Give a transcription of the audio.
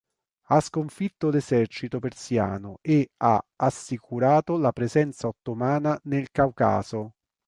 Ha sconfitto l'esercito persiano e ha assicurato la presenza ottomana nel Caucaso.